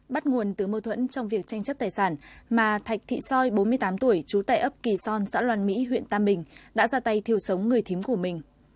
bắt nguồn từ mâu thuẫn trong việc tranh chấp tài sản mà thạch thị soi bốn mươi tám tuổi trú tại ấp kỳ son xã loan mỹ huyện tam bình đã ra tay thiếu sống người thím của mình